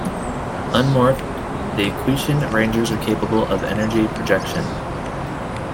Unmorphed, the Aquitian Rangers are capable of energy projection.